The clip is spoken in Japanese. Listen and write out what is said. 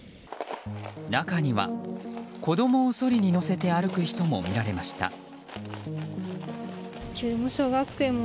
中には、子供をそりに乗せて歩く人も見られました。